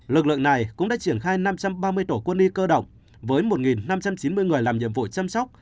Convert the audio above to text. lực lượng này cũng đã triển khai năm trăm ba mươi tổ quân y cơ động với một năm trăm chín mươi người làm nhiệm vụ chăm sóc